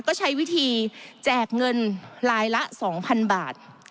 ก็ใช้วิธีแจกเงินรายละ๒๐๐๐บาท